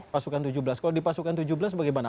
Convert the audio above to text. pasukan tujuh belas kalau di pasukan tujuh belas bagaimana